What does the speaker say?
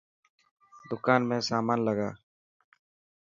دڪان ۾ سامان لگا.